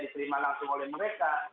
diperima langsung oleh mereka